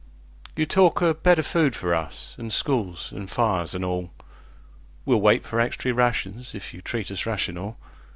You talk o' better food for us, an' schools, an' fires, an' all:We'll wait for extry rations if you treat us rational.